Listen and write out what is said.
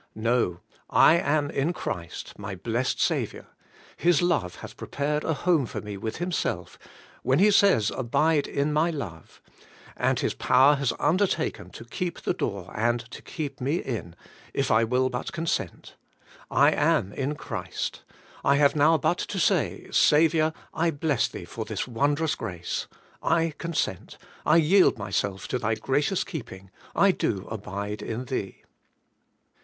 No, / am. in Christy my blessed Saviour. His love hath prepared a home for me with Himself, when He says, * Abide in my love;' and His power has undertaken to keep the door, and to keep me in, if I will but consent. I am ^V^ Christ: I have now but to say, * Saviour, I bless Thee for this wondrous grace. I consent; I yield myself to Thy gracious keeping; I do abide in Thee.'